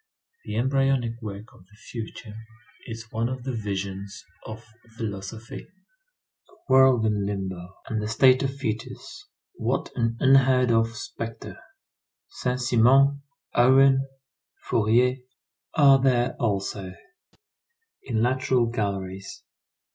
The embryonic work of the future is one of the visions of philosophy. A world in limbo, in the state of fœtus, what an unheard of spectre! Saint Simon, Owen, Fourier, are there also, in lateral galleries.